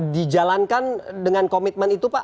dijalankan dengan komitmen itu pak